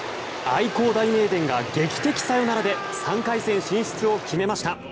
愛工大名電が劇的サヨナラで３回戦進出を決めました。